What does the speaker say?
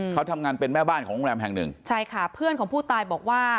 เขาทำงานเป็นแม่บ้านของโรงแรมแห่งหนึ่งใช่ค่ะเพื่อนของผู้ตายบอกว่า